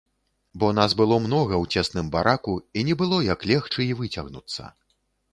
Бо нас было многа ў цесным бараку, і не было як легчы і выцягнуцца.